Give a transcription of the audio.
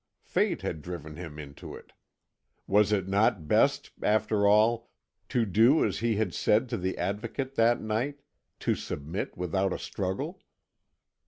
Fate had driven him into it. Was it not best, after all, to do as he had said to the Advocate that night, to submit without a struggle?